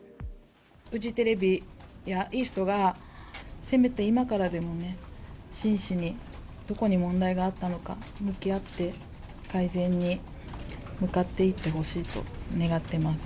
フジテレビやイーストがせめて今からでもね、真摯に、どこに問題があったのか、向き合って、改善に向かっていってほしいと願ってます。